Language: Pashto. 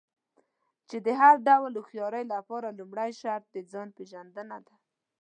چې د هر ډول هوښيارۍ لپاره لومړی شرط د ځان پېژندنه ده.